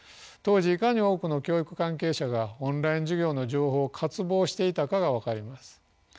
当時いかに多くの教育関係者がオンライン授業の情報を渇望していたかが分かります。